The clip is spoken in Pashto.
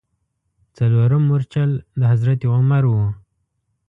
څلورم مورچل د حضرت عمر و.